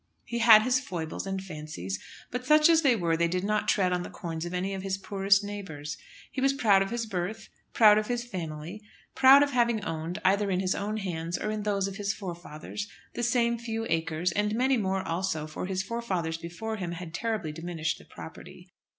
He had his foibles, and fancies, but such as they were they did not tread on the corns of any of his poorer neighbours. He was proud of his birth, proud of his family, proud of having owned, either in his own hands or those of his forefathers, the same few acres, and many more also, for his forefathers before him had terribly diminished the property.